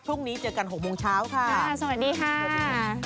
พรุ่งนี้เจอกัน๖โมงเช้าค่ะสวัสดีค่ะ